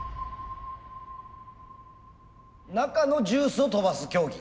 中のジュースを飛ばす競技？